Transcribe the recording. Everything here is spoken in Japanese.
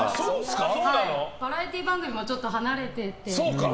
バラエティー番組もちょっと離れてて。